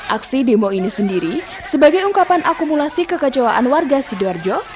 aksi demo ini sendiri sebagai ungkapan akumulasi kekecewaan warga sidoarjo